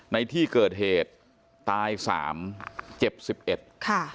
ในที่เกิดเหตุตายสามเจ็บสิบเอ็ดค่ะ